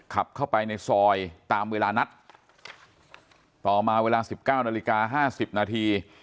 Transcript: ขับเข้าไปในซอยตามเวลานัดต่อมาเวลา๑๙นาฬิกา๕๐นาที